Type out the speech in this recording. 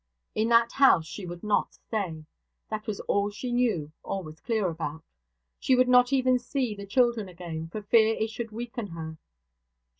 In that house she would not stay. That was all she knew or was clear about. She would not even see the children again, for fear it should weaken her.